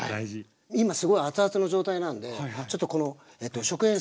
今すごい熱々の状態なんでちょっとこの食塩水ここに。